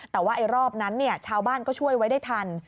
แต่ว่ารอบนั้นชาวบ้านก็ช่วยไว้ได้ทัน